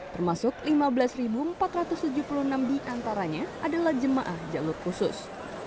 termasuk lima belas empat ratus tujuh puluh enam diantaranya adalah jemaah jalur khusus